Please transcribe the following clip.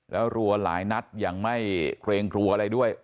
แล้วรัวหลายนัดยังไม่เกรงกลัวอะไรด้วย